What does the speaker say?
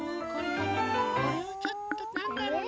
んこれもうちょっとなんだろな。